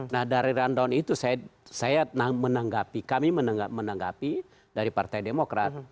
nah dari rundown itu saya menanggapi kami menanggapi dari partai demokrat